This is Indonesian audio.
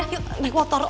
yuk naik motor oke